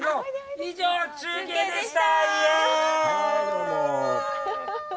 以上、中継でした！